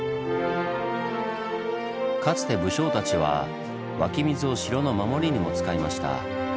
かつて武将たちは湧き水を城の守りにも使いました。